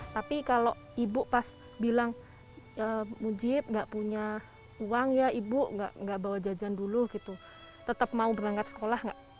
tapi kalau ibu pas bilang mujib nggak punya uang ya ibu nggak bawa jajan dulu gitu tetap mau berangkat sekolah nggak